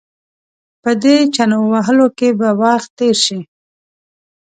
په دې چنو وهلو کې به وخت تېر شي.